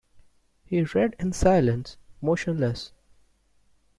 He read in silence, motionless.